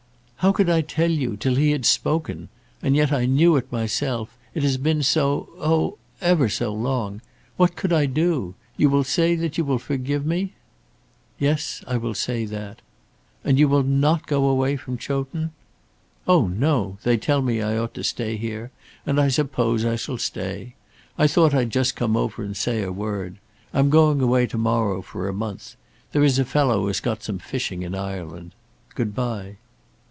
"How could I tell you, till he had spoken? And yet I knew it myself! It has been so, oh, ever so long! What could I do? You will say that you will forgive me." "Yes; I will say that." "And you will not go away from Chowton?" "Oh, no! They tell me I ought to stay here, and I suppose I shall stay. I thought I'd just come over and say a word. I'm going away to morrow for a month. There is a fellow has got some fishing in Ireland. Good bye."